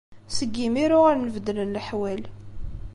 Seg yimir, uɣalen beddlen leḥwal.